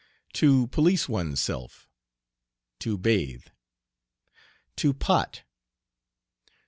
"To police one's self." To bathe. "To pot."